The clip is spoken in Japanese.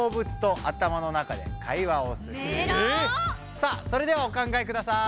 さあそれではお考えください。